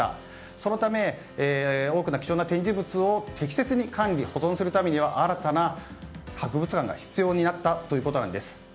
そのため、多くの貴重な展示物を適切に管理・保存するためには新たな博物館が必要になったということなんです。